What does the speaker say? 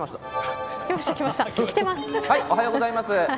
おはようございます。